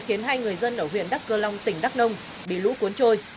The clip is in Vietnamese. khiến hai người dân ở huyện đắc cơ long tỉnh đắc nông bị lũ cuốn trôi